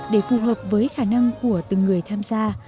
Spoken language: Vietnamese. để phù hợp với khả năng của từng người tham gia